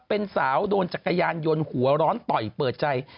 เป็นสาวโดนจักรยานยนต์หัวร้อนต่อยเปิดใจ